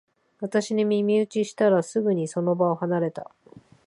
私に耳打ちしたら、すぐにその場を離れた